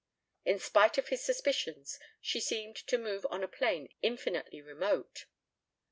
In spite of his suspicions she seemed to move on a plane infinitely remote.